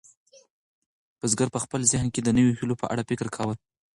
بزګر په خپل ذهن کې د نویو هیلو په اړه فکر کاوه.